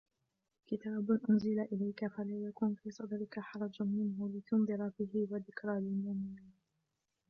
كتاب أنزل إليك فلا يكن في صدرك حرج منه لتنذر به وذكرى للمؤمنين